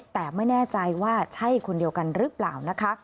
แต่ไม่แน่ใจว่าใช่คนเดียวกันหรือเปล่านะคะ